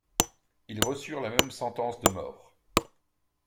Ils reçurent la même sentence de mort.